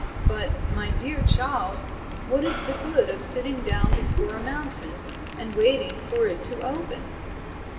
But, my dear child, what is the good of sitting down before a mountain and waiting for it to open.